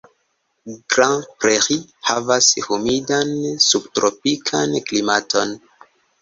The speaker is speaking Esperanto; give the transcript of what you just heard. Grand Prairie havas humidan subtropikan klimaton.